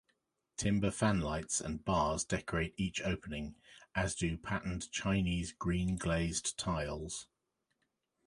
Timber fanlights and bars decorate each opening, as do patterned Chinese green glazed tiles.